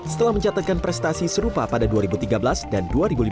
setelah mencatatkan prestasi serupa pada dua ribu tiga belas dan dua ribu lima belas